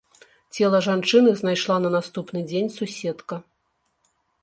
Цела жанчыны знайшла на наступны дзень суседка.